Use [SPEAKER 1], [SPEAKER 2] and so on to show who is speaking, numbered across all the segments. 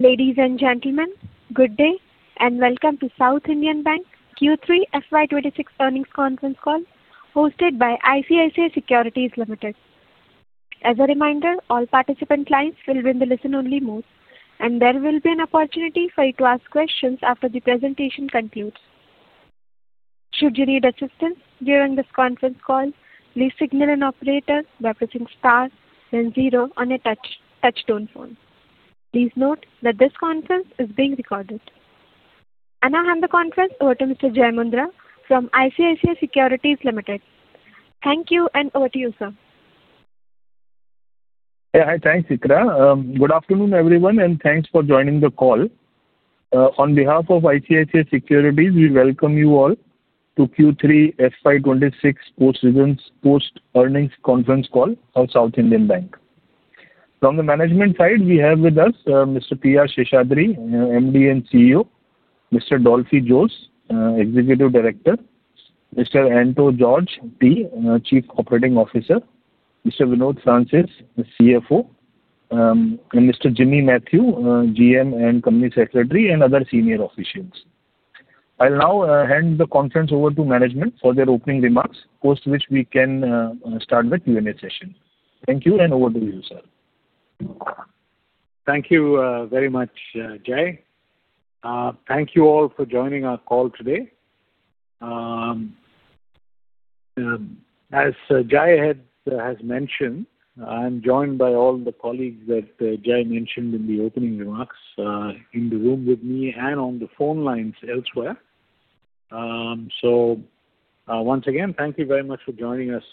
[SPEAKER 1] Ladies and gentlemen, good day and welcome to South Indian Bank Q3 FY 2026 earnings conference call, hosted by ICICI Securities Limited. As a reminder, all participant lines will be in the listen-only mode, and there will be an opportunity for you to ask questions after the presentation concludes. Should you need assistance during this conference call, please signal an operator by pressing star and zero on a touch-tone phone. Please note that this conference is being recorded. I hand the conference over to Mr. Jai Mundhra from ICICI Securities Limited. Thank you, and over to you, sir.
[SPEAKER 2] Yeah, hi, thanks, Ikra. Good afternoon, everyone, and thanks for joining the call. On behalf of ICICI Securities, we welcome you all to Q3 FY 2026 post-events post-earnings conference call of South Indian Bank. From the management side, we have with us Mr. P.R. Seshadri, MD and CEO, Mr. Dolphy Jose, Executive Director, Mr. Anto George T., Chief Operating Officer, Mr. Vinod Francis, CFO, and Mr. Jimmy Mathew, GM and Company Secretary, and other senior officials. I'll now hand the conference over to management for their opening remarks, post which we can start the Q&A session. Thank you, and over to you, sir.
[SPEAKER 3] Thank you very much, Jai. Thank you all for joining our call today. As Jai has mentioned, I'm joined by all the colleagues that Jai mentioned in the opening remarks in the room with me and on the phone lines elsewhere. So once again, thank you very much for joining us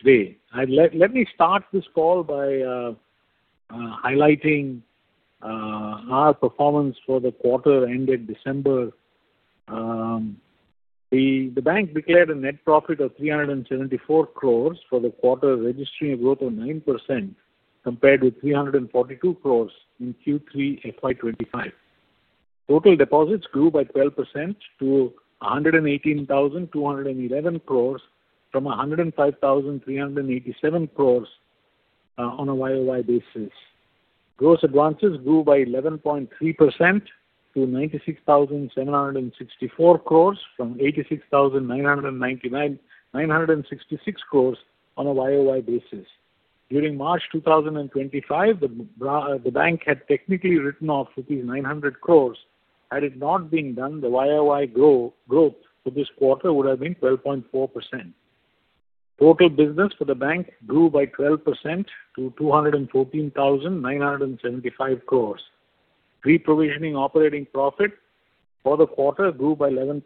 [SPEAKER 3] today. Let me start this call by highlighting our performance for the quarter ended December. The bank declared a net profit of 374 crores for the quarter, registering a growth of 9% compared with 342 crores in Q3 FY 2025. Total deposits grew by 12% to 118,211 crores from 105,387 crores on a YoY basis. Gross advances grew by 11.3% to 96,764 crores from 86,966 crores on a YoY basis. During March 2025, the bank had technically written off rupees 900 crores. Had it not been done, the YoY growth for this quarter would have been 12.4%. Total business for the bank grew by 12% to 214,975 crores. Pre-provisioning operating profit for the quarter grew by 11%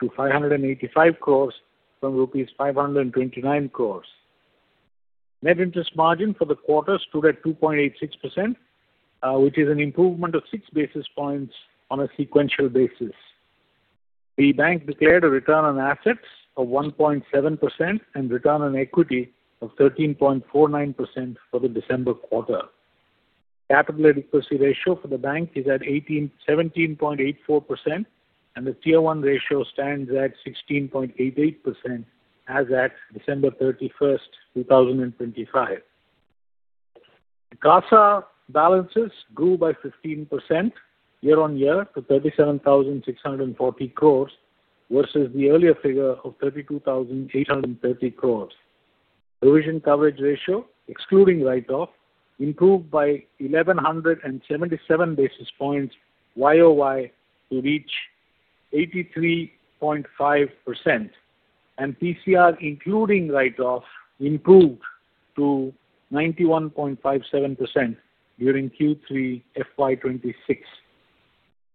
[SPEAKER 3] to 585 crores from rupees 529 crores. Net interest margin for the quarter stood at 2.86%, which is an improvement of 6 basis points on a sequential basis. The bank declared a return on assets of 1.7% and return on equity of 13.49% for the December quarter. Capital Adequacy Ratio for the bank is at 17.84%, and the Tier 1 ratio stands at 16.88% as at December 31st, 2025. CASA balances grew by 15% year-on-year to 37,640 crores versus the earlier figure of 32,830 crores. Provision coverage ratio, excluding write-off, improved by 1,177 basis points YoY to reach 83.5%, and PCR, including write-off, improved to 91.57% during Q3 FY 2026.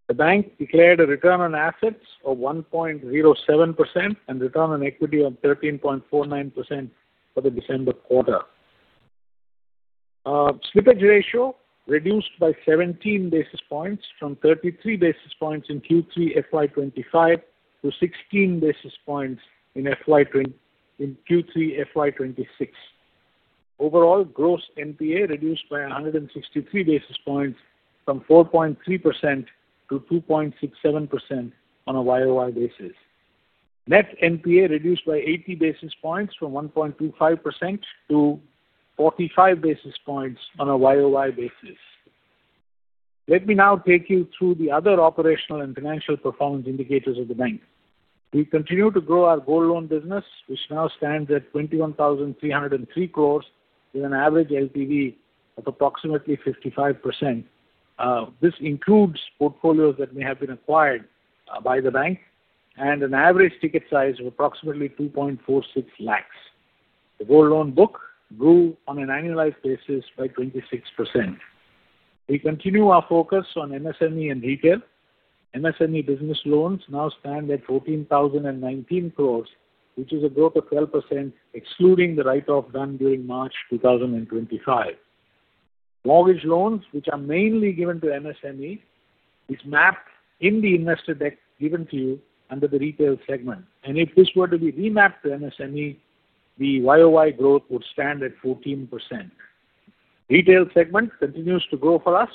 [SPEAKER 3] The bank declared a return on assets of 1.07% and return on equity of 13.49% for the December quarter. Slippage ratio reduced by 17 basis points from 33 basis points in Q3 FY 2025 to 16 basis points in Q3 FY 2026. Overall, Gross NPA reduced by 163 basis points from 4.3% to 2.67% on a YoY basis. Net NPA reduced by 80 basis points from 1.25% to 45 basis points on a YoY basis. Let me now take you through the other operational and financial performance indicators of the bank. We continue to grow our gold loan business, which now stands at 21,303 crores with an average LTV of approximately 55%. This includes portfolios that may have been acquired by the bank and an average ticket size of approximately 2.46 lakhs. The gold loan book grew on an annualized basis by 26%. We continue our focus on MSME and retail. MSME business loans now stand at 14,019 crores, which is a growth of 12% excluding the write-off done during March 2025. Mortgage loans, which are mainly given to MSMEs, are mapped in the investor deck given to you under the retail segment. And if this were to be remapped to MSME, the YoY growth would stand at 14%. Retail segment continues to grow for us,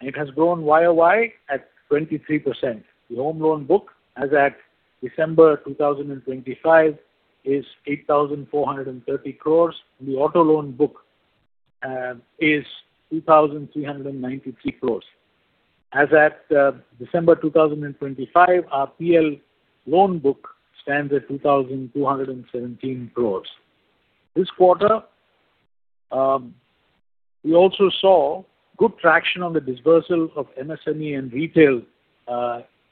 [SPEAKER 3] and it has grown YoY at 23%. The home loan book as at December 2025 is 8,430 crores. The auto loan book is 2,393 crores. As at December 2025, our PL loan book stands at 2,217 crores. This quarter, we also saw good traction on the disbursal of MSME and retail,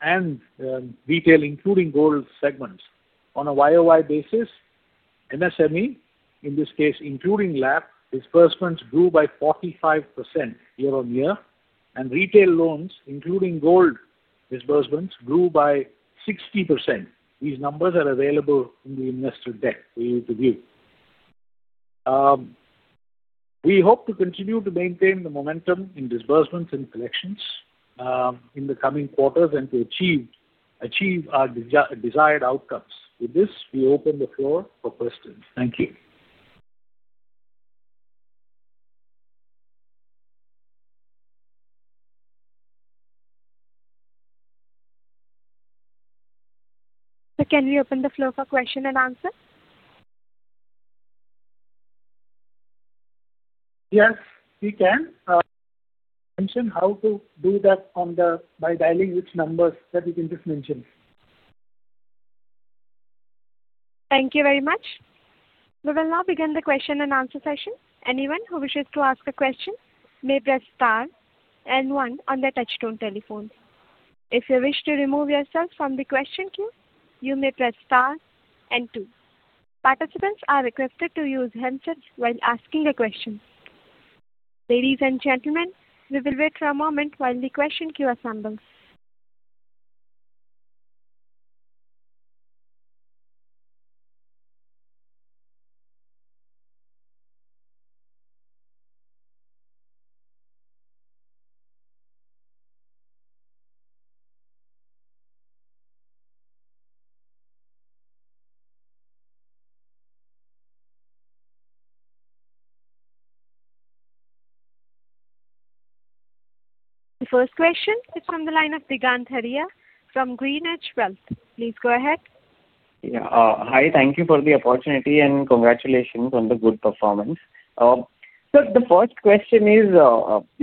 [SPEAKER 3] and retail including gold segments. On a YoY basis, MSME, in this case including LAP, disbursements grew by 45% year-on-year, and retail loans, including gold disbursements, grew by 60%. These numbers are available in the investor deck for you to view. We hope to continue to maintain the momentum in disbursements and collections in the coming quarters and to achieve our desired outcomes. With this, we open the floor for questions. Thank you.
[SPEAKER 1] Can we open the floor for question and answer?
[SPEAKER 2] Yes, we can mention how to do that by dialing which numbers that we can just mention.
[SPEAKER 1] Thank you very much. We will now begin the question and answer session. Anyone who wishes to ask a question may press star and one on the touch-tone telephone. If you wish to remove yourself from the question queue, you may press star and two. Participants are requested to use handsets while asking a question. Ladies and gentlemen, we will wait for a moment while the question queue assembles. The first question is from the line of Priyank Chheda from GreenEdge Wealth. Please go ahead. Yeah, hi. Thank you for the opportunity and congratulations on the good performance. So the first question is,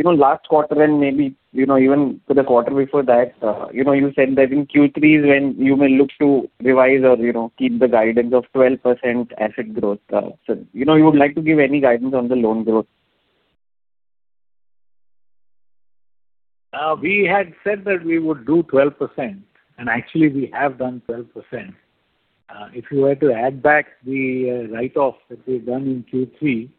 [SPEAKER 1] last quarter and maybe even for the quarter before that, you said that in Q3 when you may look to revise or keep the guidance of 12% asset growth. So you would like to give any guidance on the loan growth?
[SPEAKER 3] We had said that we would do 12%, and actually we have done 12%. If you were to add back the write-off that we've done in Q3,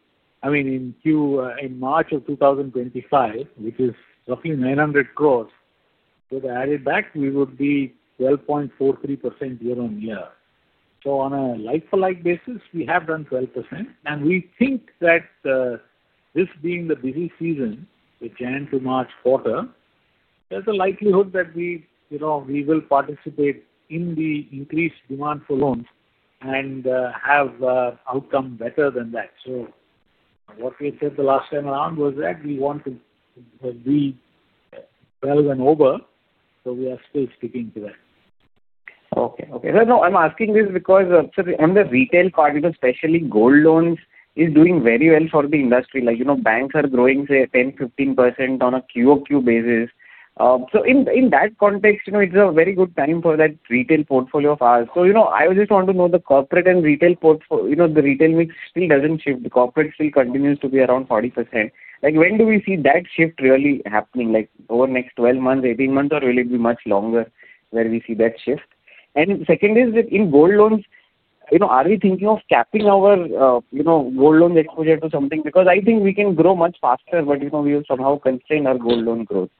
[SPEAKER 3] I mean, in March of 2025, which is roughly 900 crores, with the added back, we would be 12.43% year-on-year. So on a like-for-like basis, we have done 12%, and we think that this being the busy season, the January to March quarter, there's a likelihood that we will participate in the increased demand for loans and have outcome better than that. So what we had said the last time around was that we want to be relevant over, so we are still sticking to that. Okay. Okay. So no, I'm asking this because on the retail part, especially gold loans, it's doing very well for the industry. Banks are growing, say, 10%-15% on a QoQ basis. So in that context, it's a very good time for that retail portfolio files. So I just want to know the corporate and retail portfolio. The retail mix still doesn't shift. The corporate still continues to be around 40%. When do we see that shift really happening? Over the next 12 months, 18 months, or will it be much longer where we see that shift? And second is that in gold loans, are we thinking of capping our gold loan exposure to something? Because I think we can grow much faster, but we will somehow constrain our gold loan growth.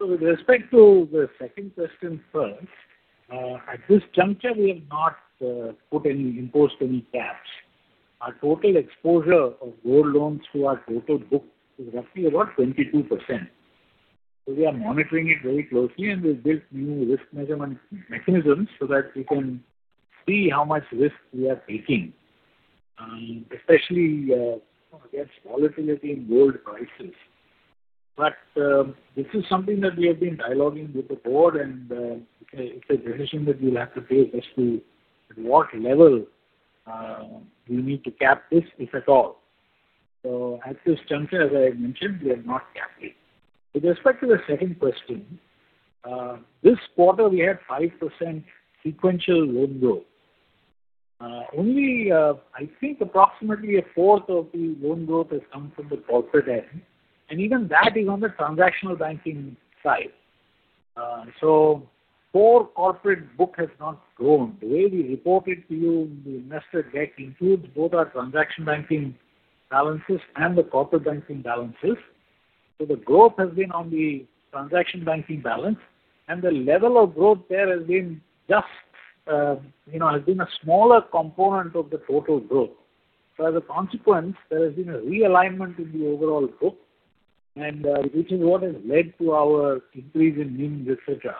[SPEAKER 3] With respect to the second question first, at this juncture, we have not imposed any caps. Our total exposure of gold loans to our total book is roughly about 22%. We are monitoring it very closely, and we've built new risk measurement mechanisms so that we can see how much risk we are taking, especially against volatility in gold prices. This is something that we have been dialoguing with the board, and it's a decision that we'll have to take as to what level we need to cap this, if at all. At this juncture, as I mentioned, we have not capped it. With respect to the second question, this quarter, we had 5% sequential loan growth. Only, I think approximately a fourth of the loan growth has come from the corporate end, and even that is on the transactional banking side. Core corporate book has not grown. The way we reported to you in the investor deck includes both our transaction banking balances and the corporate banking balances. So the growth has been on the transaction banking balance, and the level of growth there has been just has been a smaller component of the total growth. So as a consequence, there has been a realignment in the overall book, which is what has led to our increase in NIMs, etc.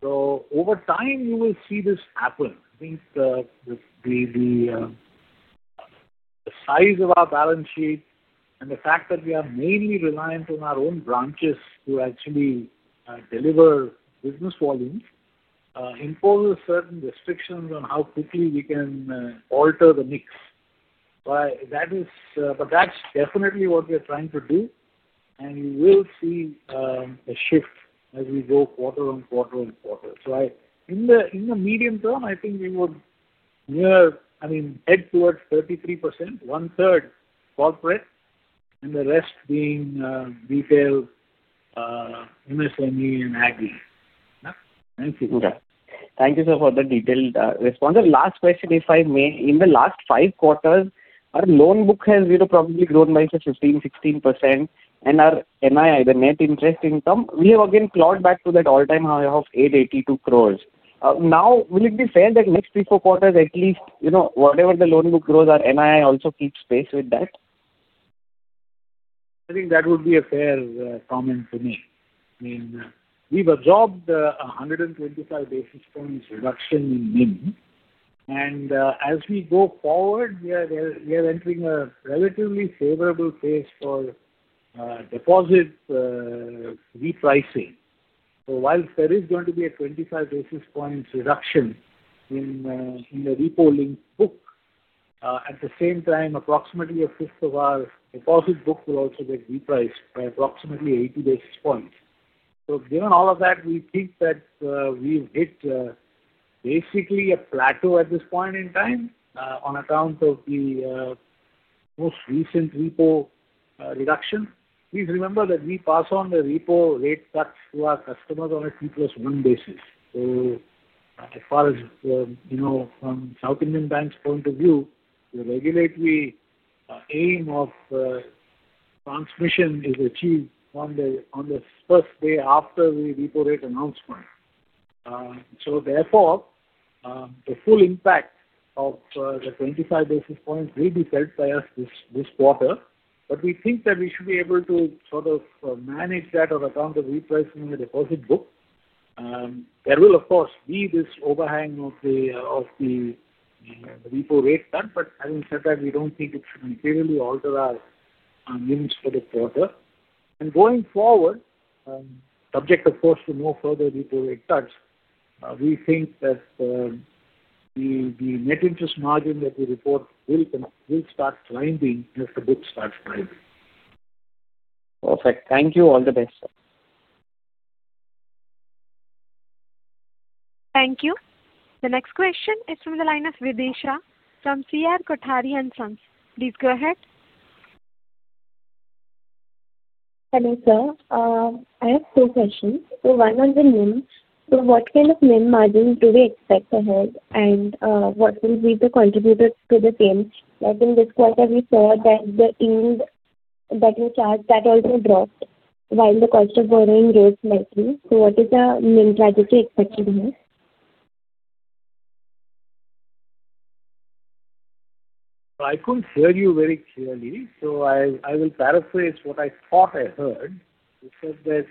[SPEAKER 3] So over time, you will see this happen. I think the size of our balance sheet and the fact that we are mainly reliant on our own branches to actually deliver business volumes imposes certain restrictions on how quickly we can alter the mix. But that's definitely what we are trying to do, and you will see a shift as we go quarter on quarter on quarter. So in the medium term, I think we would, I mean, head towards 33%, 1/3 corporate and the rest being retail, MSME, and agri. Thank you. Okay. Thank you, sir, for the detailed response. The last question, if I may, in the last five quarters, our loan book has probably grown by 15%-16%, and our NII, the net interest income, we have again clawed back to that all-time high of 882 crores. Now, will it be fair that next three or four quarters, at least whatever the loan book grows, our NII also keeps pace with that? I think that would be a fair comment to make. I mean, we've absorbed a 125 basis points reduction in NIM, and as we go forward, we are entering a relatively favorable phase for deposit repricing. So while there is going to be a 25 basis points reduction in the repo linked book, at the same time, approximately a fifth of our deposit book will also get repriced by approximately 80 basis points. So given all of that, we think that we've hit basically a plateau at this point in time on account of the most recent repo reduction. Please remember that we pass on the repo rate cuts to our customers on a T+1 basis. So as far as from South Indian Bank's point of view, the regulatory aim of transmission is achieved on the first day after the repo rate announcement. So therefore, the full impact of the 25 basis points will be felt by us this quarter, but we think that we should be able to sort of manage that on account of repricing the deposit book. There will, of course, be this overhang of the repo rate cut, but having said that, we don't think it should materially alter our NIMs for the quarter, and going forward, subject, of course, to no further repo rate cuts, we think that the net interest margin that we report will start climbing as the book starts climbing. Perfect. Thank you. All the best, sir.
[SPEAKER 1] Thank you. The next question is from the line of Vidisha from C.R.Kothari & Sons. Please go ahead. Hello, sir. I have two questions. So one on the NIM. So what kind of NIM margin do we expect to hold, and what will be the contributors to the same? Like in this quarter, we saw that the NIM that we charged, that also dropped while the cost of borrowing rose nicely. So what is the NIM trajectory expected to have?
[SPEAKER 3] I couldn't hear you very clearly, so I will paraphrase what I thought I heard. You said that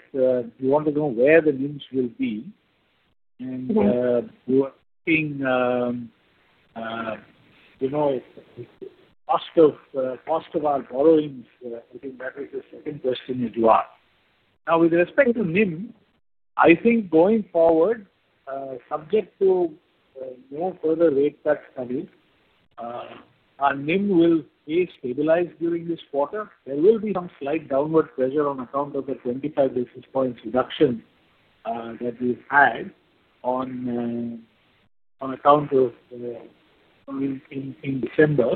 [SPEAKER 3] you want to know where the means will be, and you are asking the cost of our borrowings. I think that is the second question that you asked. Now, with respect to NIM, I think going forward, subject to no further rate cuts, our NIM will stay stabilized during this quarter. There will be some slight downward pressure on account of the 25 basis points reduction that we had on account of in December,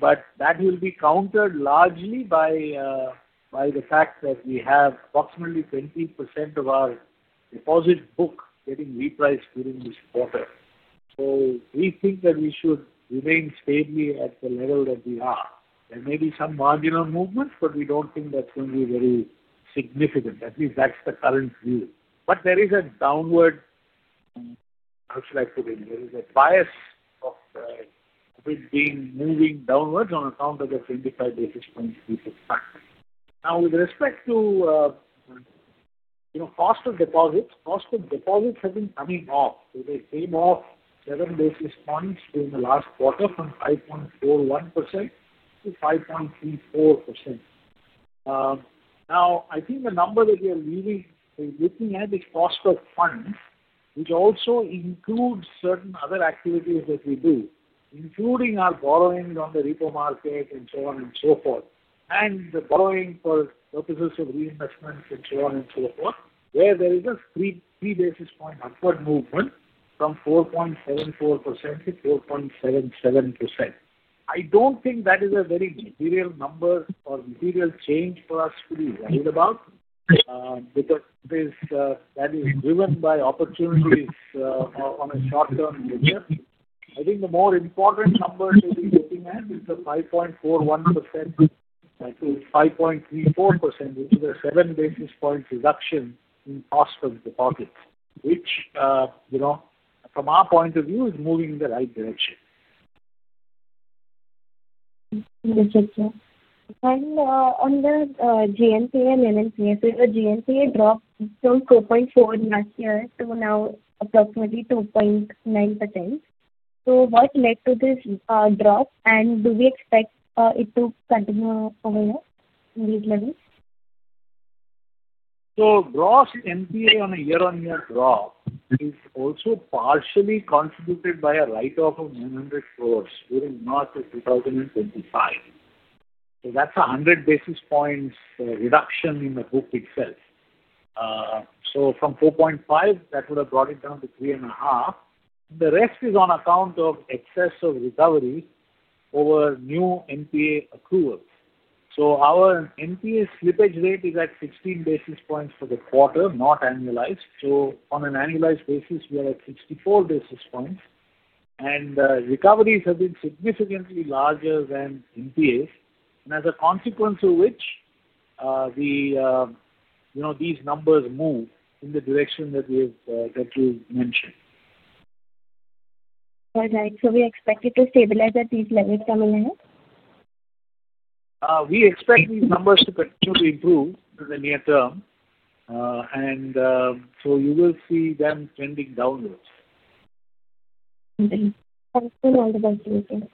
[SPEAKER 3] but that will be countered largely by the fact that we have approximately 20% of our deposit book getting repriced during this quarter. So we think that we should remain stably at the level that we are. There may be some marginal movement, but we don't think that's going to be very significant. At least that's the current view. But there is a downward, how should I put it? There is a bias of it being moving downwards on account of the 25 basis points we just talked about. Now, with respect to cost of deposits, cost of deposits have been coming off. They came off 7 basis points during the last quarter from 5.41% to 5.34%. Now, I think the number that we are looking at is cost of funds, which also includes certain other activities that we do, including our borrowing on the repo market and so on and so forth, and the borrowing for purposes of reinvestments and so on and so forth, where there is a 3 basis points upward movement from 4.74% to 4.77%. I don't think that is a very material number or material change for us to be worried about because that is driven by opportunities on a short-term nature. I think the more important number to be looking at is the 5.41% to 5.34%, which is a 7 basis point reduction in cost of deposits, which from our point of view is moving in the right direction. Thank you, sir. And on the GNPA and NNPA, so the GNPA dropped from 2.4% last year to now approximately 2.9%. So what led to this drop, and do we expect it to continue over in these levels? Gross NPA on a year-on-year drop is also partially contributed by a write-off of 900 crores during March of 2025. That's a 100 basis points reduction in the book itself. From 4.5, that would have brought it down to 3.5. The rest is on account of excess of recovery over new NPA accrual. Our NPA slippage rate is at 16 basis points for the quarter, not annualized. On an annualized basis, we are at 64 basis points, and recoveries have been significantly larger than NPAs, and as a consequence of which, these numbers move in the direction that you mentioned. All right. So we expect it to stabilize at these levels coming in? We expect these numbers to continue to improve in the near term, and so you will see them trending downwards. Thank you.
[SPEAKER 1] Thank you.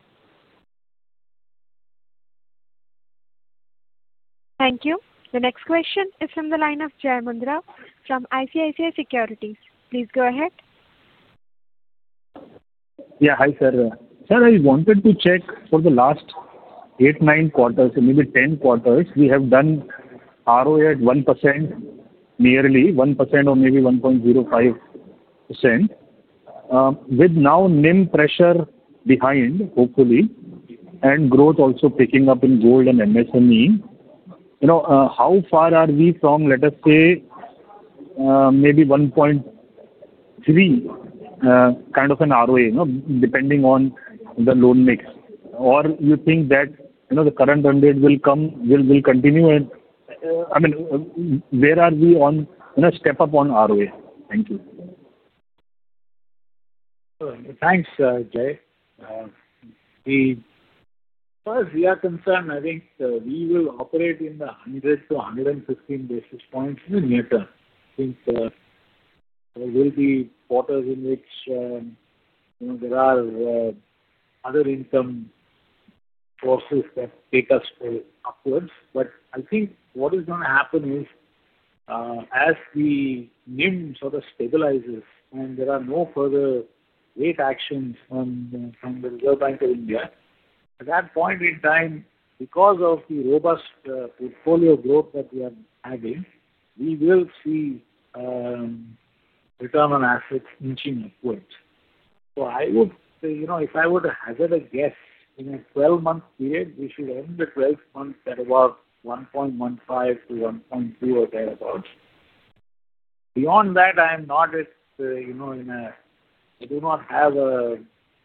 [SPEAKER 1] The next question is from the line of Jai Mundhra from ICICI Securities. Please go ahead.
[SPEAKER 2] Yeah. Hi, sir. Sir, I wanted to check for the last eight, nine quarters, maybe 10 quarters, we have done ROA at 1%, nearly 1% or maybe 1.05%, with now NIM pressure behind, hopefully, and growth also picking up in gold and MSME. How far are we from, let us say, maybe 1.3 kind of an ROA, depending on the loan mix? Or you think that the current 100 will continue? I mean, where are we on step up on ROA? Thank you.
[SPEAKER 3] Thanks, Jai. As far as we are concerned, I think we will operate in the 100 basis points-115 basis points in the near term. I think there will be quarters in which there are other income sources that take us upwards. But I think what is going to happen is as the NIM sort of stabilizes and there are no further rate actions from the Reserve Bank of India, at that point in time, because of the robust portfolio growth that we are having, we will see return on assets inching upwards. So I would say, if I were to hazard a guess, in a 12-month period, we should end the 12th month at about 1.15-1.2 or thereabouts. Beyond that, I do not have a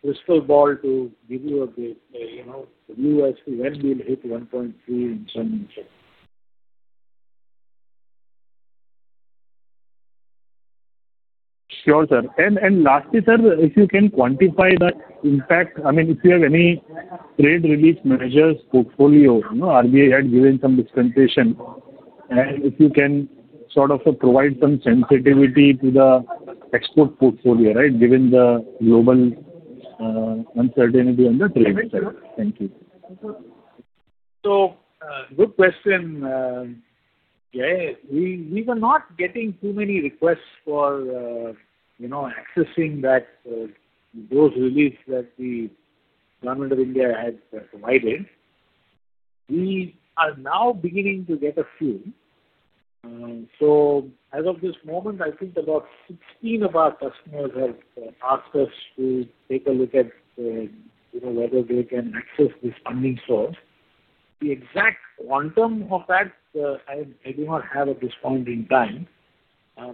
[SPEAKER 3] crystal ball to give you a view as to when we'll hit 1.3 in some interest.
[SPEAKER 2] Sure, sir. And lastly, sir, if you can quantify that impact, I mean, if you have any trade relief measures portfolio, RBI had given some discontinuation, and if you can sort of provide some sensitivity to the export portfolio, right, given the global uncertainty on the trade side. Thank you.
[SPEAKER 3] So good question, Jai. We were not getting too many requests for accessing those reliefs that the Government of India had provided. We are now beginning to get a few. So as of this moment, I think about 16 of our customers have asked us to take a look at whether they can access this funding source. The exact quantum of that, I do not have at this point in time.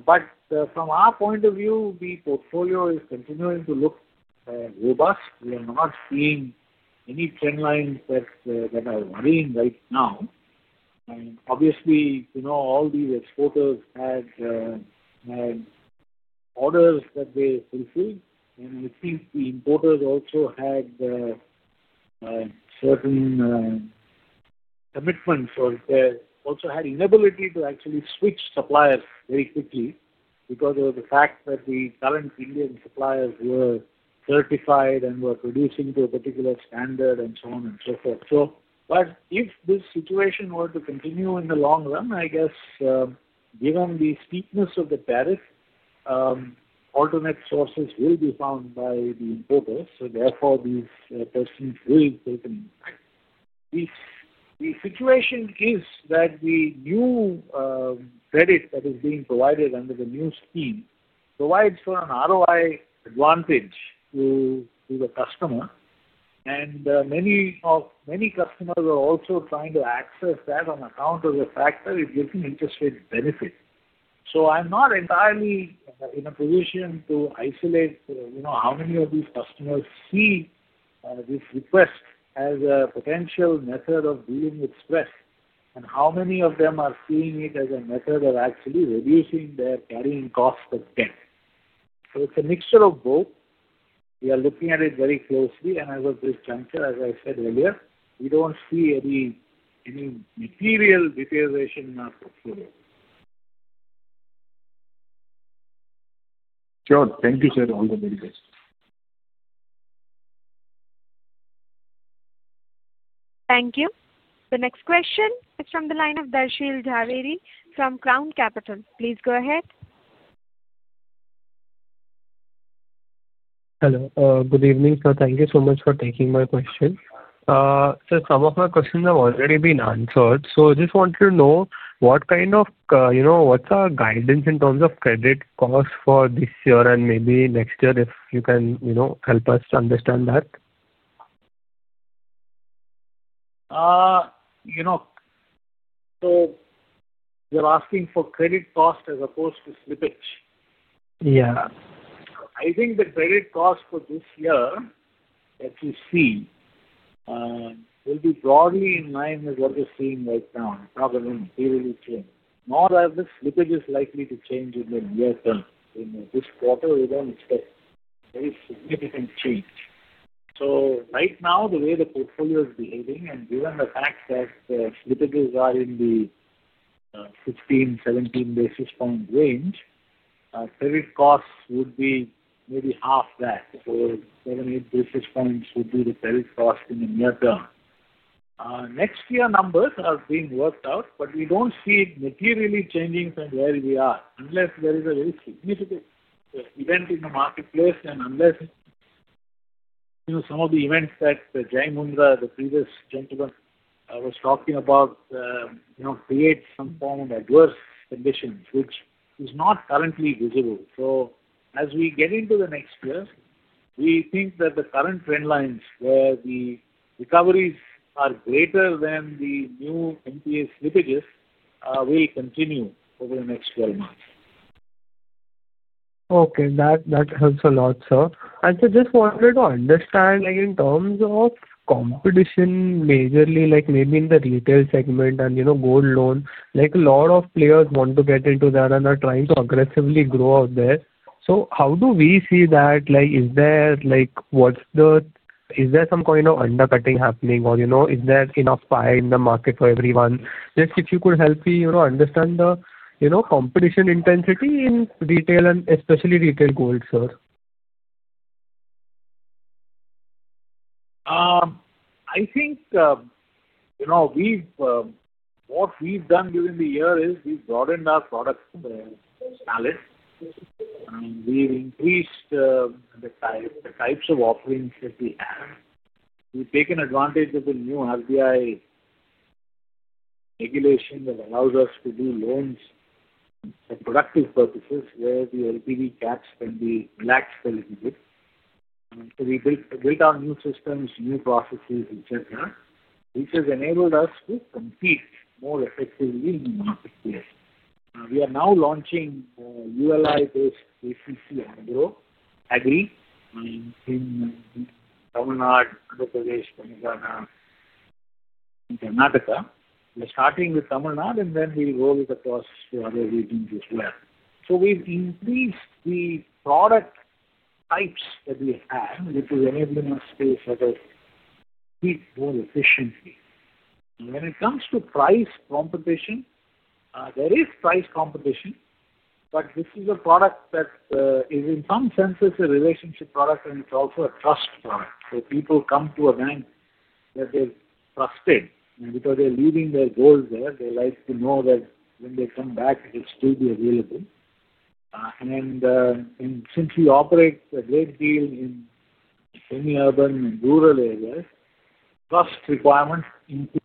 [SPEAKER 3] But from our point of view, the portfolio is continuing to look robust. We are not seeing any trend lines that are worrying right now. Obviously, all these exporters had orders that they fulfilled, and I think the importers also had certain commitments, or they also had inability to actually switch suppliers very quickly because of the fact that the current Indian suppliers were certified and were producing to a particular standard and so on and so forth. But if this situation were to continue in the long run, I guess, given the steepness of the tariff, alternate sources will be found by the importers. So therefore, these persons will take an impact. The situation is that the new credit that is being provided under the new scheme provides for an ROI advantage to the customer, and many customers are also trying to access that on account of the fact that it gives them interest rate benefits. So I'm not entirely in a position to isolate how many of these customers see this request as a potential method of dealing with stress, and how many of them are seeing it as a method of actually reducing their carrying cost of debt. So it's a mixture of both. We are looking at it very closely, and as of this juncture, as I said earlier, we don't see any material deterioration in our portfolio.
[SPEAKER 2] Sure. Thank you, sir. All the very best.
[SPEAKER 1] Thank you. The next question is from the line of Darshil Jhaveri from Crown Capital. Please go ahead.
[SPEAKER 4] Hello. Good evening, so thank you so much for taking my question. Sir, some of my questions have already been answered, so I just wanted to know what's our guidance in terms of credit cost for this year and maybe next year if you can help us to understand that?
[SPEAKER 3] So you're asking for credit cost as opposed to slippage?
[SPEAKER 4] Yeah.
[SPEAKER 3] I think the credit cost for this year that we see will be broadly in line with what we're seeing right now, probably not materially changed. Moreover, the slippage is likely not to change in the near term. In this quarter, we don't expect any significant change. So right now, the way the portfolio is behaving and given the fact that the slippages are in the 15 basis points-17 basis points range, credit costs would be maybe half that, or 7 basis points-8 basis points would be the credit cost in the near term. Next year numbers are being worked out, but we don't see it materially changing from where we are unless there is a very significant event in the marketplace and unless some of the events that Jai Mundhra, the previous gentleman, was talking about, create some form of adverse conditions, which is not currently visible. So as we get into the next year, we think that the current trend lines where the recoveries are greater than the new NPA slippages will continue over the next 12 months.
[SPEAKER 4] Okay. That helps a lot, sir. I just wanted to understand in terms of competition majorly, maybe in the retail segment and gold loan, a lot of players want to get into that and are trying to aggressively grow out there. So how do we see that? What's, is there some kind of undercutting happening, or is there enough pie in the market for everyone? Just if you could help me understand the competition intensity in retail and especially retail gold, sir.
[SPEAKER 3] I think what we've done during the year is we've broadened our product palette. We've increased the types of offerings that we have. We've taken advantage of the new RBI regulation that allows us to do loans for productive purposes where the LTV caps can be relaxed a little bit. So we built our new systems, new processes, etc., which has enabled us to compete more effectively in the marketplace. We are now launching ULI-based ACC Agri in Tamil Nadu, Madhya Pradesh, Telangana, and Karnataka. We're starting with Tamil Nadu, and then we roll it across to other regions as well. So we've increased the product types that we have, which is enabling us to sort of compete more efficiently. When it comes to price competition, there is price competition, but this is a product that is, in some senses, a relationship product, and it's also a trust product. So people come to a bank that they've trusted because they're leaving their gold there. They like to know that when they come back, it will still be available. And since we operate a great deal in semi-urban and rural areas, trust requirements increase.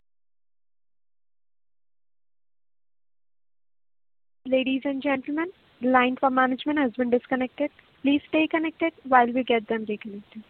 [SPEAKER 1] Ladies and gentlemen, the line for management has been disconnected. Please stay connected while we get them reconnected.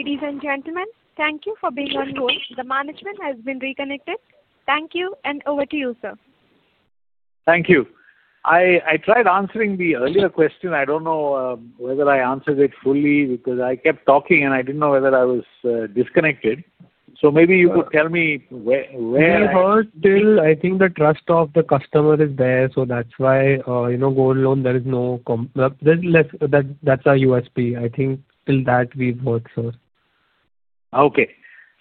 [SPEAKER 1] Ladies and gentlemen, thank you for being on hold. The management has been reconnected. Thank you, and over to you, sir.
[SPEAKER 3] Thank you. I tried answering the earlier question. I don't know whether I answered it fully because I kept talking, and I didn't know whether I was disconnected. So maybe you could tell me where?
[SPEAKER 4] We heard till I think the trust of the customer is there, so that's why Gold Loan, there is no that's our USP. I think till that, we've worked, sir.
[SPEAKER 3] Okay.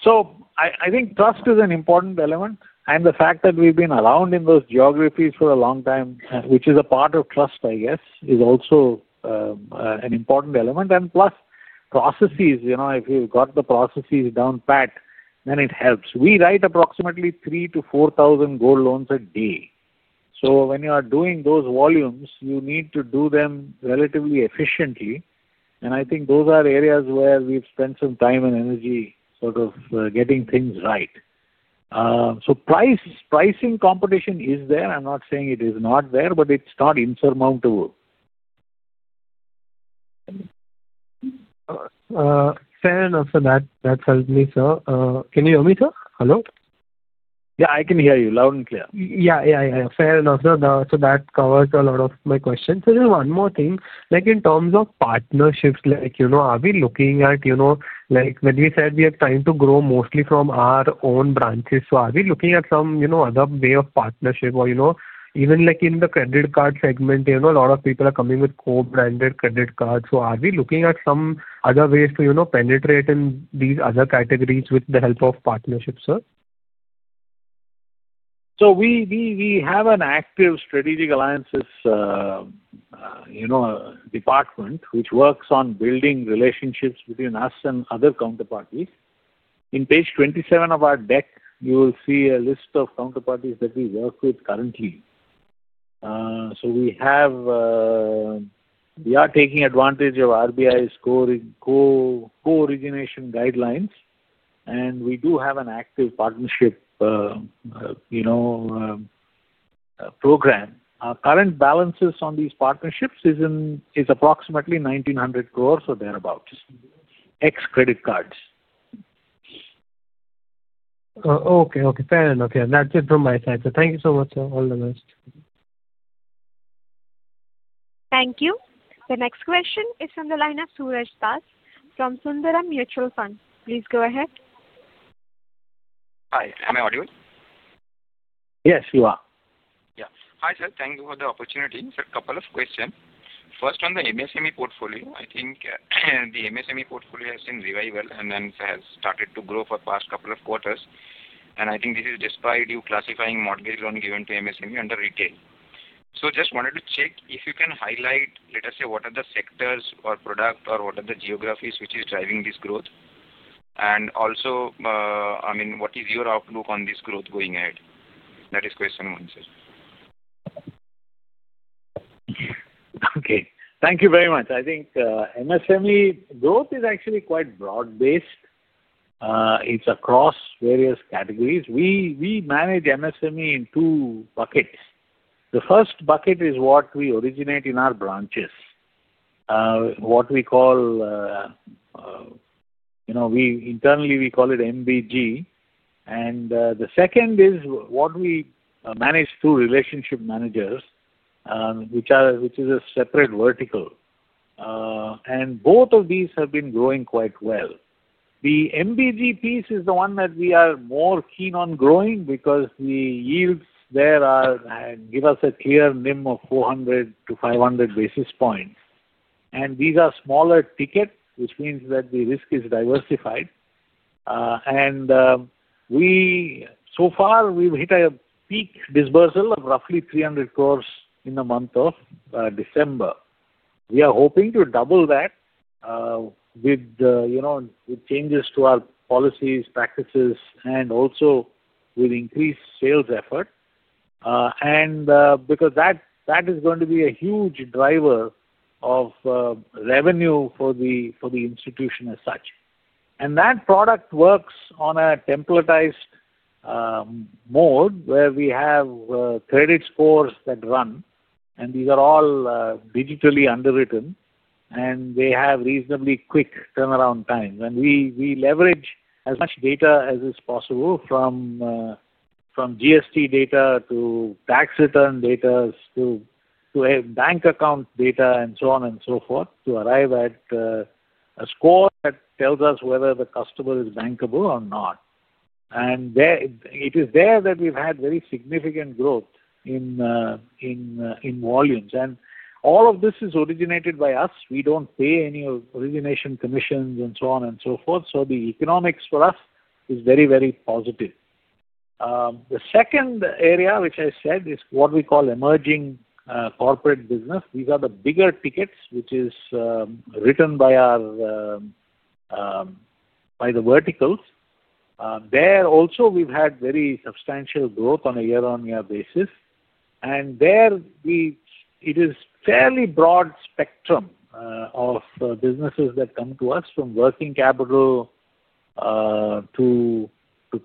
[SPEAKER 3] So I think trust is an important element, and the fact that we've been around in those geographies for a long time, which is a part of trust, I guess, is also an important element. And plus, processes, if you've got the processes down pat, then it helps. We write approximately 3,000-4,000 gold loans a day. So when you are doing those volumes, you need to do them relatively efficiently. And I think those are areas where we've spent some time and energy sort of getting things right. So pricing competition is there. I'm not saying it is not there, but it's not insurmountable.
[SPEAKER 4] Fair enough. So that helped me, sir. Can you hear me, sir? Hello?
[SPEAKER 3] Yeah, I can hear you loud and clear.
[SPEAKER 4] Yeah, yeah, yeah. Fair enough, sir. So that covers a lot of my questions. There is one more thing. In terms of partnerships, are we looking at when we said we have time to grow mostly from our own branches, so are we looking at some other way of partnership? Or even in the credit card segment, a lot of people are coming with co-branded credit cards. So are we looking at some other ways to penetrate in these other categories with the help of partnerships, sir?
[SPEAKER 3] We have an active strategic alliances department which works on building relationships between us and other counterparties. In page 27 of our deck, you will see a list of counterparties that we work with currently. We are taking advantage of RBI's co-origination guidelines, and we do have an active partnership program. Our current balances on these partnerships is approximately 1,900 crores or thereabouts, ex credit cards.
[SPEAKER 4] Okay, okay. Fair enough. Yeah, that's it from my side. So thank you so much, sir. All the best.
[SPEAKER 1] Thank you. The next question is from the line of Suraj Das from Sundaram Mutual Fund. Please go ahead.
[SPEAKER 5] Hi. Hi, may I have your attention?
[SPEAKER 3] Yes, you are.
[SPEAKER 5] Yeah. Hi, sir. Thank you for the opportunity. Sir, a couple of questions. First, on the MSME portfolio, I think the MSME portfolio has seen revival and then has started to grow for the past couple of quarters. And I think this is despite you classifying mortgage loan given to MSME under retail. So just wanted to check if you can highlight, let us say, what are the sectors or product or what are the geographies which is driving this growth? And also, I mean, what is your outlook on this growth going ahead? That is question one, sir.
[SPEAKER 3] Okay. Thank you very much. I think MSME growth is actually quite broad-based. It's across various categories. We manage MSME in two buckets. The first bucket is what we originate in our branches, what we call internally, we call it MBG. And the second is what we manage through relationship managers, which is a separate vertical. And both of these have been growing quite well. The MBG piece is the one that we are more keen on growing because the yields there give us a clear NIM of 400 basis points-500 basis points. And these are smaller tickets, which means that the risk is diversified. And so far, we've hit a peak disbursal of roughly 300 crores in the month of December. We are hoping to double that with changes to our policies, practices, and also with increased sales effort because that is going to be a huge driver of revenue for the institution as such, and that product works on a templatized mode where we have credit scores that run, and these are all digitally underwritten, and they have reasonably quick turnaround times, and we leverage as much data as is possible from GST data to tax return data to bank account data and so on and so forth to arrive at a score that tells us whether the customer is bankable or not, and it is there that we've had very significant growth in volumes, and all of this is originated by us. We don't pay any origination commissions and so on and so forth, so the economics for us is very, very positive. The second area, which I said, is what we call emerging corporate business. These are the bigger tickets, which is written by the verticals. There also, we've had very substantial growth on a year-on-year basis. And there, it is fairly broad spectrum of businesses that come to us from working capital to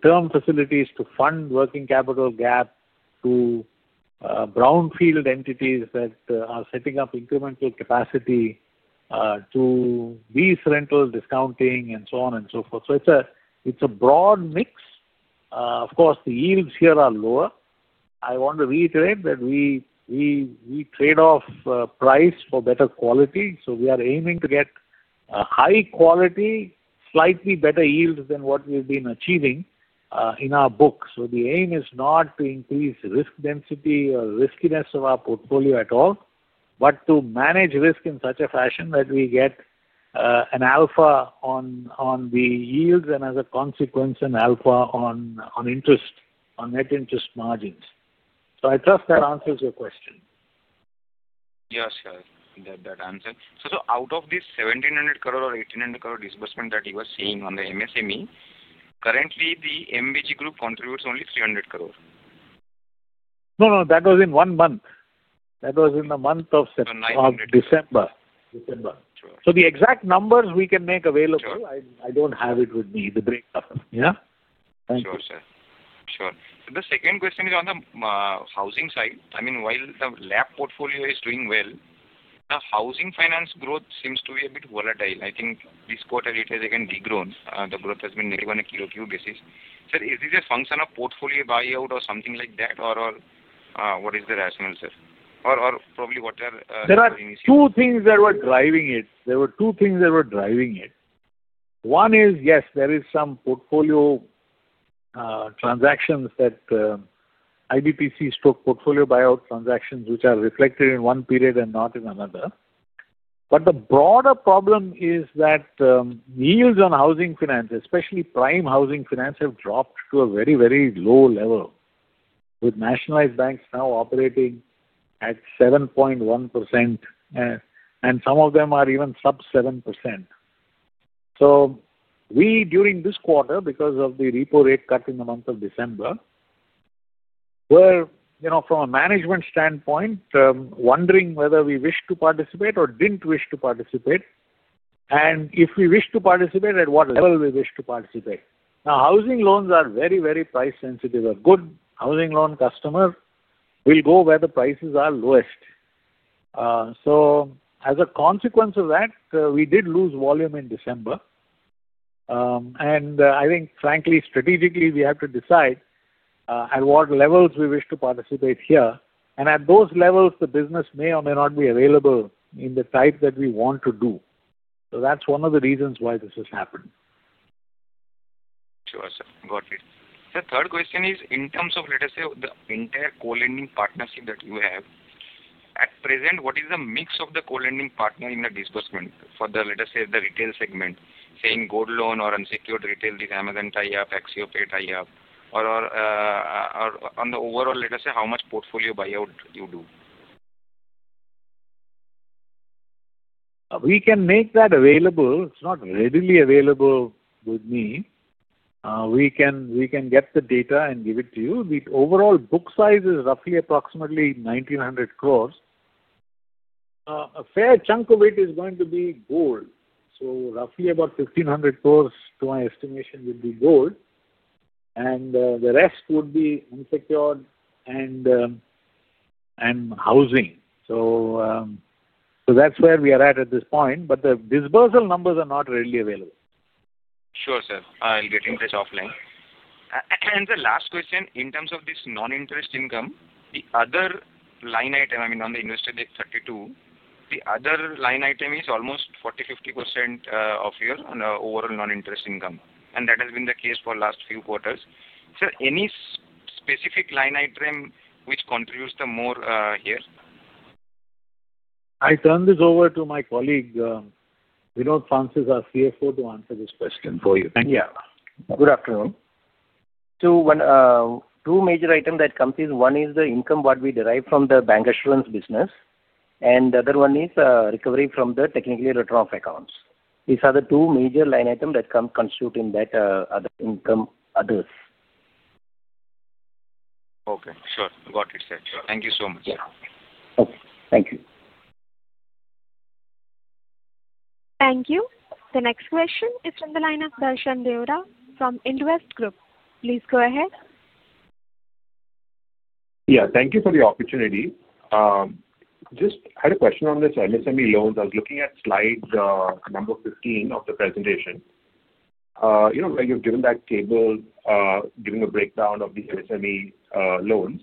[SPEAKER 3] term facilities to fund working capital gap to brownfield entities that are setting up incremental capacity to lease rentals, discounting, and so on and so forth. So it's a broad mix. Of course, the yields here are lower. I want to reiterate that we trade off price for better quality. So we are aiming to get high quality, slightly better yields than what we've been achieving in our book. So the aim is not to increase risk density or riskiness of our portfolio at all, but to manage risk in such a fashion that we get an alpha on the yields and, as a consequence, an alpha on net interest margins. So I trust that answers your question.
[SPEAKER 5] Yes, sir. That answer. So out of this 1,700 crore or 1,800 crore disbursement that you were seeing on the MSME, currently, the MBG group contributes only 300 crore.
[SPEAKER 3] No, no. That was in one month. That was in the month of September.
[SPEAKER 5] So nine.
[SPEAKER 3] December.
[SPEAKER 5] December.
[SPEAKER 3] Sure. So the exact numbers we can make available, I don't have it with me. The breakdown. Yeah?
[SPEAKER 5] Thank you. Sure, sir. Sure. So the second question is on the housing side. I mean, while the LAP portfolio is doing well, the housing finance growth seems to be a bit volatile. I think this quarter, it has again de-grown. The growth has been negative on a QoQ basis. Sir, is this a function of portfolio buyout or something like that, or what is the rationale, sir? Or probably what are the reasons?
[SPEAKER 3] There are two things that were driving it. There were two things that were driving it. One is, yes, there is some portfolio transactions that IBPC struck portfolio buyout transactions, which are reflected in one period and not in another. But the broader problem is that yields on housing finance, especially prime housing finance, have dropped to a very, very low level, with nationalized banks now operating at 7.1%, and some of them are even sub 7%. So we, during this quarter, because of the repo rate cut in the month of December, were from a management standpoint, wondering whether we wish to participate or didn't wish to participate. And if we wish to participate, at what level we wish to participate. Now, housing loans are very, very price-sensitive. A good housing loan customer will go where the prices are lowest. As a consequence of that, we did lose volume in December. I think, frankly, strategically, we have to decide at what levels we wish to participate here. At those levels, the business may or may not be available in the type that we want to do. That's one of the reasons why this has happened.
[SPEAKER 5] Sure, sir. Got it. The third question is, in terms of, let us say, the entire co-lending partnership that you have, at present, what is the mix of the co-lending partner in the disbursement for the, let us say, the retail segment, saying gold loan or unsecured retail, this Amazon tie-up, AXIO tie-up? Or on the overall, let us say, how much portfolio buyout you do?
[SPEAKER 3] We can make that available. It's not readily available with me. We can get the data and give it to you. The overall book size is roughly approximately 1,900 crores. A fair chunk of it is going to be gold. So roughly about 1,500 crores, to my estimation, would be gold. And the rest would be unsecured and housing. So that's where we are at this point. But the disbursal numbers are not readily available.
[SPEAKER 5] Sure, sir. I'll get in touch offline. And the last question, in terms of this non-interest income, the other line item, I mean, on the investor deck 32, the other line item is almost 40%-50% of your overall non-interest income. And that has been the case for the last few quarters. Sir, any specific line item which contributes the more here?
[SPEAKER 3] I turn this over to my colleague, Vinod Francis, our CFO, to answer this question for you.
[SPEAKER 6] Thank you. Yeah. Good afternoon. So two major items that come is one is the income what we derive from the bancassurance business. And the other one is recovery from the technically written-off accounts. These are the two major line items that come constituting that other income others.
[SPEAKER 5] Okay. Sure. Got it, sir. Thank you so much.
[SPEAKER 6] Okay. Thank you.
[SPEAKER 1] Thank you. The next question is from the line of Darshan Deora from Indvest Group. Please go ahead.
[SPEAKER 7] Yeah. Thank you for the opportunity. Just had a question on this MSME loans. I was looking at slide number 15 of the presentation, where you've given that table, given a breakdown of the MSME loans.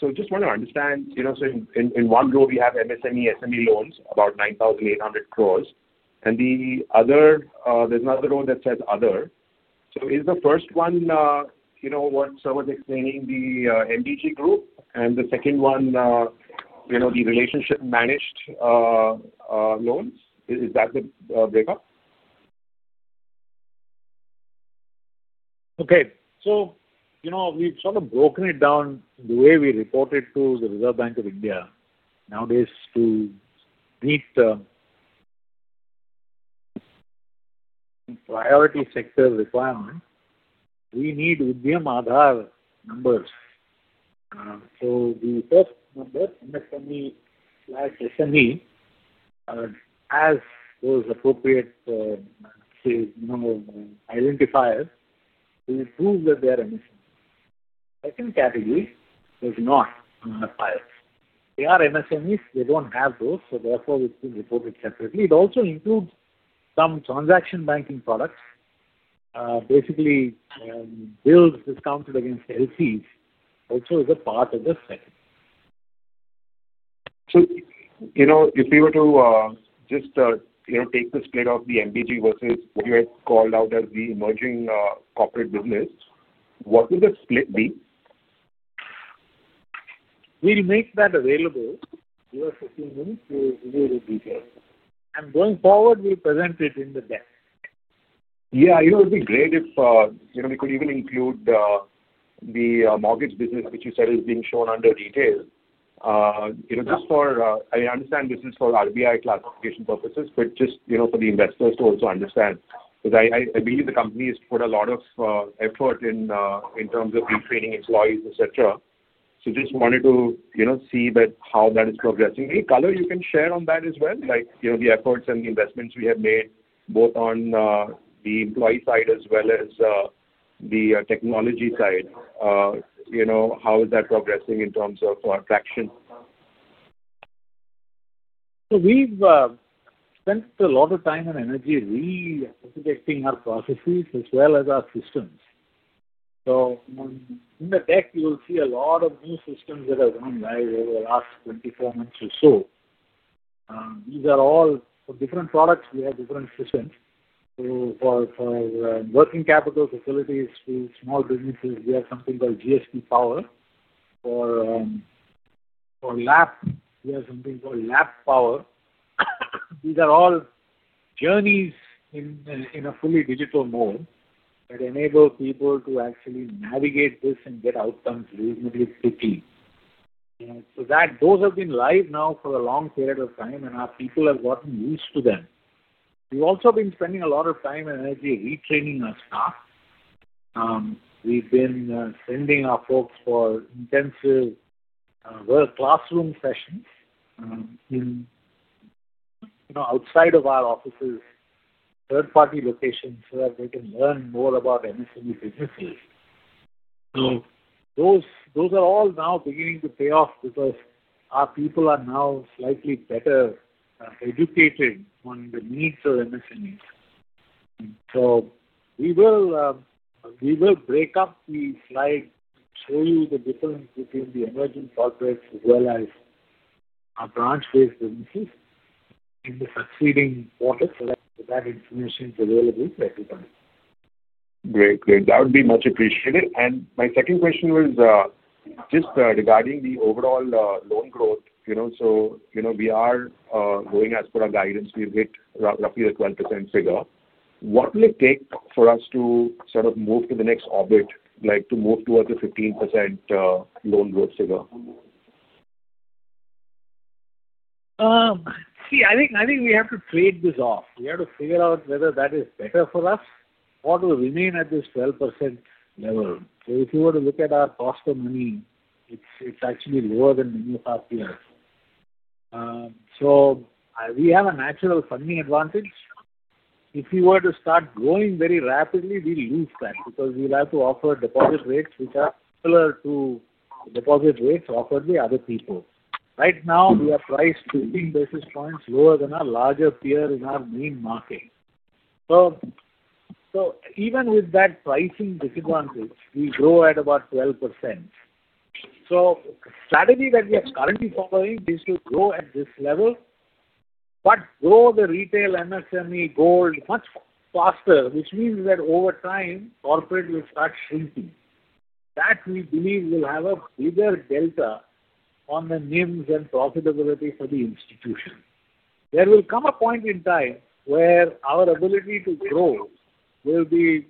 [SPEAKER 7] So just want to understand, so in one row, we have MSME, SME loans, about 9,800 crores. And there's another row that says other. So is the first one what Sir was explaining, the MBG group, and the second one, the relationship managed loans? Is that the breakup?
[SPEAKER 3] Okay. So we've sort of broken it down the way we reported to the Reserve Bank of India. Nowadays, to meet the priority sector requirements, we need Udyam Aadhaar numbers. So the first number, MSME/SME, has those appropriate identifiers to prove that they are MSME. Second category does not require. They are MSMEs. They don't have those, so therefore, it's been reported separately. It also includes some transaction banking products. Basically, bills discounted against LCs also is a part of the second.
[SPEAKER 7] So if we were to just take the split of the MBG versus what you had called out as the emerging corporate business, what would the split be?
[SPEAKER 3] We'll make that available. Give us 15 minutes to review the details. And going forward, we'll present it in the deck.
[SPEAKER 7] Yeah. It would be great if we could even include the mortgage business, which you said is being shown under retail. Just for, I understand this is for RBI classification purposes, but just for the investors to also understand. Because I believe the company has put a lot of effort in terms of retraining employees, etc. So just wanted to see how that is progressing. Any color you can share on that as well, like the efforts and the investments we have made, both on the employee side as well as the technology side? How is that progressing in terms of traction?
[SPEAKER 3] We've spent a lot of time and energy re-architecting our processes as well as our systems. In the deck, you'll see a lot of new systems that have gone live over the last 24 months or so. These are all for different products. We have different systems. For working capital facilities to small businesses, we have something called GST Power. For LAP, we have something called LAP Power. These are all journeys in a fully digital mode that enable people to actually navigate this and get outcomes reasonably quickly. Those have been live now for a long period of time, and our people have gotten used to them. We've also been spending a lot of time and energy retraining our staff. We've been sending our folks for intensive classroom sessions outside of our offices, third-party locations, so that they can learn more about MSME businesses. Those are all now beginning to pay off because our people are now slightly better educated on the needs of MSMEs. We will break up the slide, show you the difference between the emerging corporates as well as our branch-based businesses in the succeeding quarter so that information is available to everybody.
[SPEAKER 7] Great. Great. That would be much appreciated. And my second question was just regarding the overall loan growth. So we are going as per our guidance. We'll hit roughly the 12% figure. What will it take for us to sort of move to the next orbit, to move towards a 15% loan growth figure?
[SPEAKER 3] See, I think we have to trade this off. We have to figure out whether that is better for us or to remain at this 12% level. So if you were to look at our cost of money, it's actually lower than many of our peers. So we have a natural funding advantage. If we were to start growing very rapidly, we lose that because we'll have to offer deposit rates which are similar to the deposit rates offered by other people. Right now, we are priced 15 basis points lower than our larger peer in our main market. So even with that pricing disadvantage, we grow at about 12%. So the strategy that we are currently following is to grow at this level, but grow the retail MSME gold much faster, which means that over time, corporate will start shrinking. That we believe will have a bigger delta on the NIMs and profitability for the institution. There will come a point in time where our ability to grow will be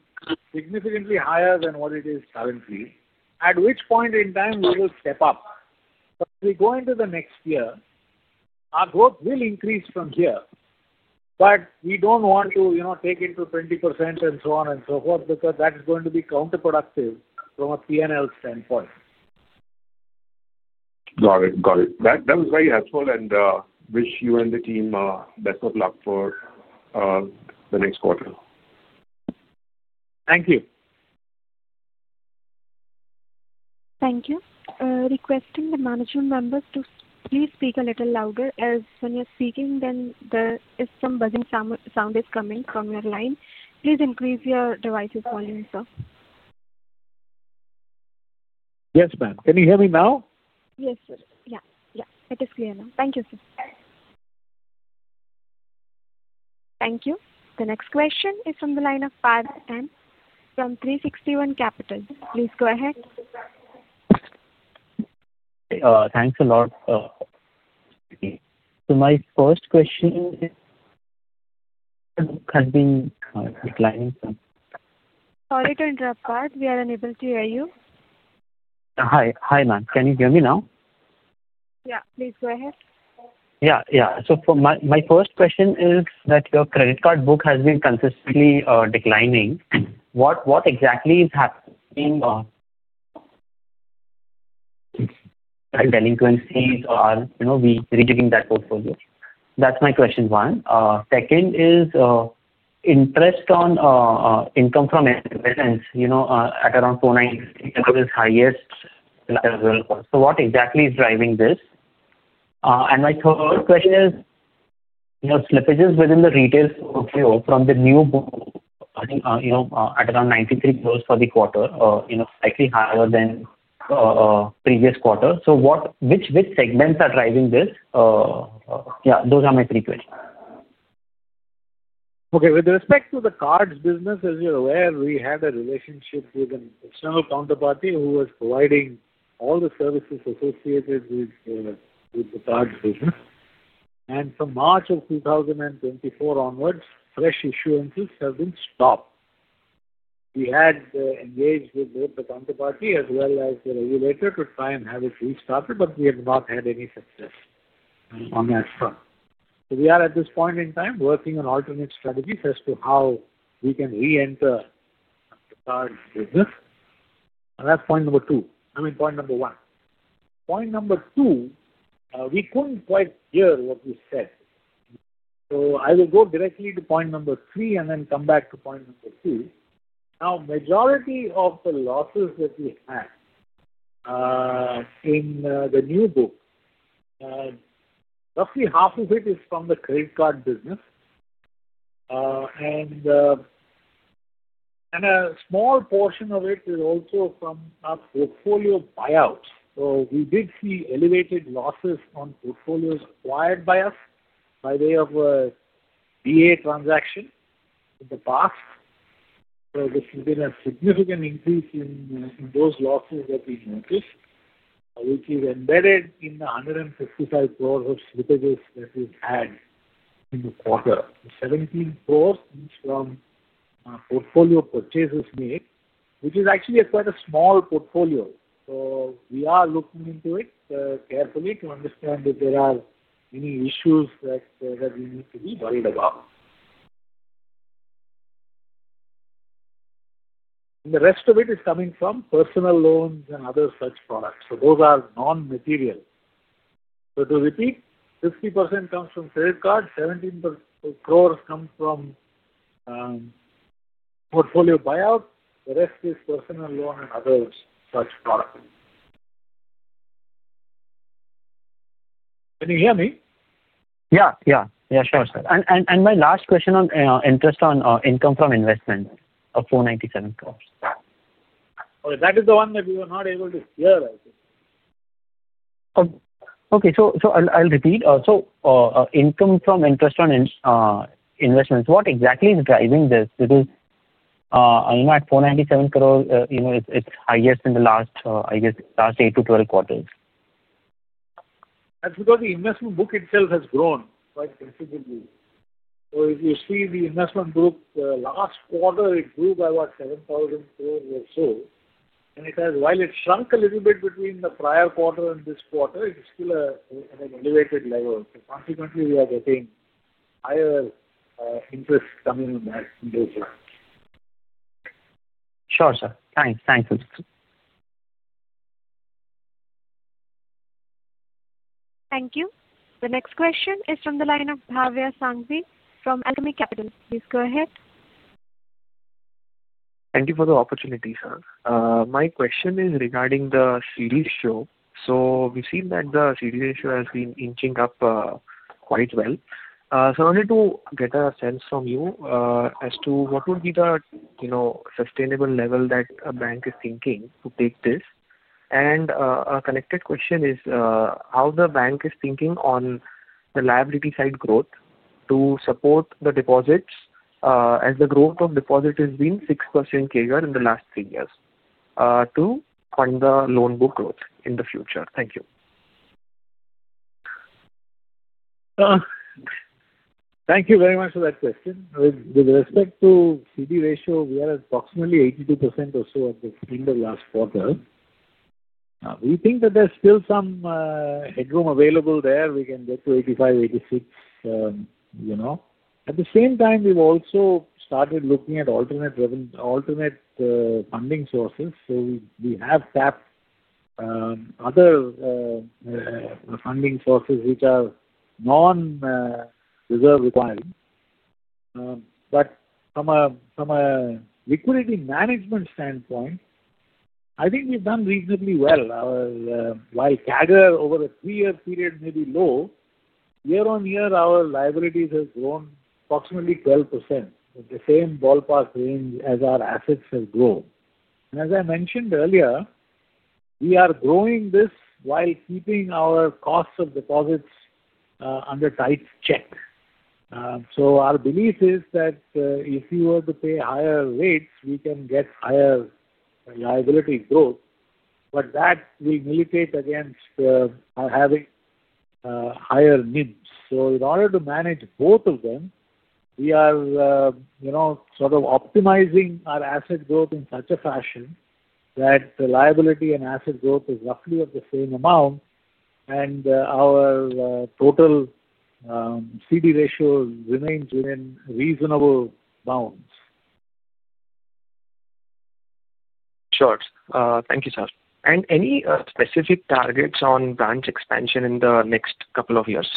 [SPEAKER 3] significantly higher than what it is currently, at which point in time we will step up. But as we go into the next year, our growth will increase from here. But we don't want to take into 20% and so on and so forth because that is going to be counterproductive from a P&L standpoint.
[SPEAKER 7] Got it. Got it. That was very helpful. And wish you and the team best of luck for the next quarter.
[SPEAKER 3] Thank you.
[SPEAKER 1] Thank you. Requesting the management members to please speak a little louder, as when you're speaking, then there is some buzzing sound coming from your line. Please increase your device's volume, sir.
[SPEAKER 3] Yes, ma'am. Can you hear me now?
[SPEAKER 1] Yes, sir. Yeah. Yeah. It is clear now. Thank you, sir. Thank you. The next question is from the line of Padma from 360 ONE Asset Management. Please go ahead. Thanks a lot. So my first question has been declining. Sorry to interrupt, Padma. We are unable to hear you. Hi. Hi, ma'am. Can you hear me now? Yeah. Please go ahead. Yeah. Yeah. So my first question is that your credit card book has been consistently declining. What exactly is happening? Are there delinquencies, or are we redoing that portfolio? That's my question, one. Second is interest on income from MSMEs at around 496, which is highest as well. So what exactly is driving this? And my third question is slippages within the retail portfolio from the new book at around 93 crores for the quarter, slightly higher than previous quarter. So which segments are driving this? Yeah. Those are my three questions.
[SPEAKER 3] Okay. With respect to the cards business, as you're aware, we had a relationship with an external counterparty who was providing all the services associated with the cards business. And from March of 2024 onwards, fresh issuances have been stopped. We had engaged with both the counterparty as well as the regulator to try and have it restarted, but we have not had any success on that front. So we are, at this point in time, working on alternate strategies as to how we can re-enter the cards business. And that's point number two. I mean, point number one. Point number two, we couldn't quite hear what you said. So I will go directly to point number three and then come back to point number two. Now, majority of the losses that we had in the new book, roughly half of it is from the credit card business. A small portion of it is also from our portfolio buyouts. So we did see elevated losses on portfolios acquired by us by way of a DA transaction in the past. So there's been a significant increase in those losses that we noticed, which is embedded in the 155 crores of slippages that we've had in the quarter. 17 crores is from portfolio purchases made, which is actually quite a small portfolio. So we are looking into it carefully to understand if there are any issues that we need to be worried about. And the rest of it is coming from personal loans and other such products. So those are non-material. So to repeat, 50% comes from credit cards, 17 crores come from portfolio buyouts. The rest is personal loan and other such products. Can you hear me? Sure, and my last question on interest on income from investment of 497 crores. Okay. That is the one that we were not able to hear, I think. Okay. So I'll repeat. So income from interest on investments, what exactly is driving this? Because I know at 497 crores, it's highest in the last, I guess, last 8-12 quarters. As we know, the investment book itself has grown quite considerably. So if you see the investment book, last quarter, it grew by about 7,000 crores or so. And while it shrunk a little bit between the prior quarter and this quarter, it is still at an elevated level. So consequently, we are getting higher interest coming in those lines. Sure, sir. Thanks. Thanks.
[SPEAKER 1] Thank you. The next question is from the line of Bhavya Sanghvi from Alchemy Capital. Please go ahead.
[SPEAKER 8] Thank you for the opportunity, sir. My question is regarding the CD ratio. So we've seen that the CD ratio has been inching up quite well. So I wanted to get a sense from you as to what would be the sustainable level that a bank is thinking to take this. And a connected question is how the bank is thinking on the liability side growth to support the deposits as the growth of deposit has been 6% CAGR in the last three years to fund the loan book growth in the future. Thank you.
[SPEAKER 3] Thank you very much for that question. With respect to CD ratio, we are at approximately 82% or so at the end of last quarter. We think that there's still some headroom available there. We can get to 85%-86%. At the same time, we've also started looking at alternate funding sources, so we have tapped other funding sources which are non-reserve requiring, but from a liquidity management standpoint, I think we've done reasonably well. While CAGR over a three-year period may be low, year on year, our liabilities have grown approximately 12%. The same ballpark range as our assets have grown, and as I mentioned earlier, we are growing this while keeping our costs of deposits under tight check, so our belief is that if you were to pay higher rates, we can get higher liability growth, but that will mitigate against having higher NIMs. So in order to manage both of them, we are sort of optimizing our asset growth in such a fashion that the liability and asset growth is roughly of the same amount, and our total CD ratio remains within reasonable bounds.
[SPEAKER 8] Sure. Thank you, sir. And any specific targets on branch expansion in the next couple of years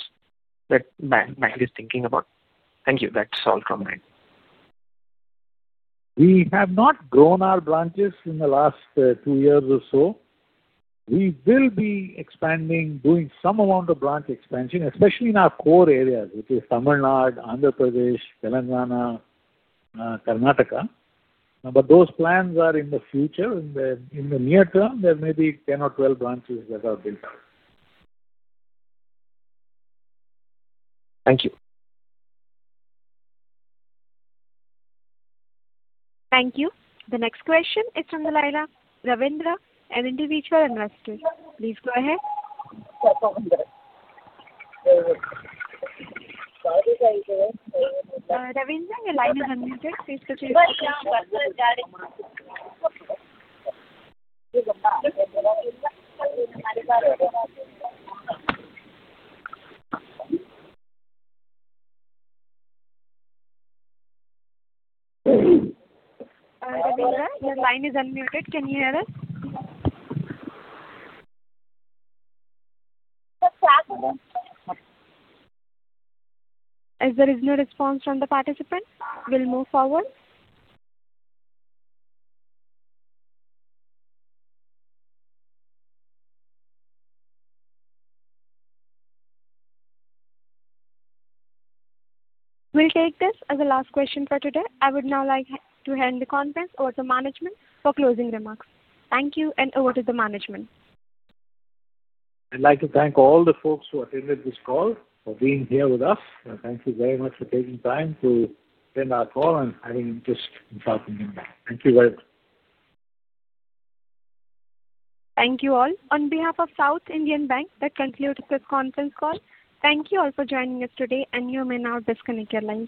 [SPEAKER 8] that the bank is thinking about? Thank you. That's all from me.
[SPEAKER 3] We have not grown our branches in the last two years or so. We will be expanding, doing some amount of branch expansion, especially in our core areas, which is Tamil Nadu, Andhra Pradesh, Telangana, Karnataka. But those plans are in the future. In the near term, there may be 10 branches or 12 branches that are built up.
[SPEAKER 8] Thank you.
[SPEAKER 1] Thank you. The next question is from the line of Ravindra, an individual investor. Please go ahead. Ravindra, your line is unmuted. Please proceed. Ravindra, your line is unmuted. Can you hear us? If there is no response from the participants, we'll move forward. We'll take this as the last question for today. I would now like to hand the conference over to management for closing remarks. Thank you, and over to the management.
[SPEAKER 3] I'd like to thank all the folks who attended this call for being here with us, and thank you very much for taking time to attend our call and having interest in South Indian Bank. Thank you very much.
[SPEAKER 1] Thank you all. On behalf of South Indian Bank, that concludes this conference call. Thank you all for joining us today, and you may now disconnect your lines.